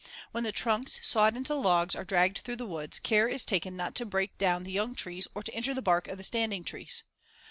When the trunks, sawed into logs, are dragged through the woods, care is taken not to break down the young trees or to injure the bark of standing trees.